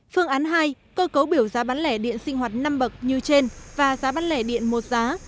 phương án hai cơ cấu biểu giá bán lẻ điện sinh hoạt năm bậc như trên và giá bán lẻ điện một giá